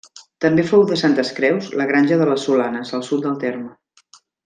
També fou de Santes Creus la granja de les Solanes, al sud del terme.